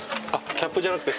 キャップじゃなくて？